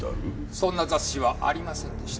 そんな雑誌はありませんでした。